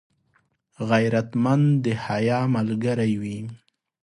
غیرتمند د حیا ملګری وي